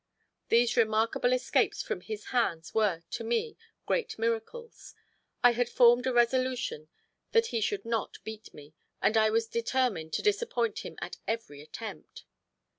These remarkable escapes from his hands were, to me, great miracles. I had formed a resolution that he should not beat me, and was determined to disappoint him at every attempt.